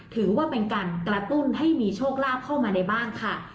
ถือว่าเป็นการกระตุ้นให้มีโชคลาภเข้ามาในบ้านค่ะ